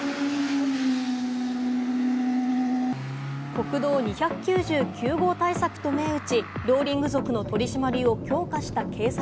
国道２９９号対策と銘打ち、ローリング族の取り締まりを強化した警察。